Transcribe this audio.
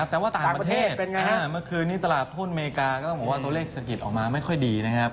แต่ว่าต่างประเทศเมื่อคืนนี้ตลาดหุ้นอเมริกาก็ต้องบอกว่าตัวเลขสะกิดออกมาไม่ค่อยดีนะครับ